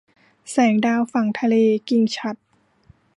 แสงดาวฝั่งทะเล - กิ่งฉัตร